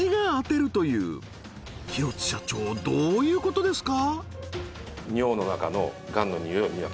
社長どういうことですか？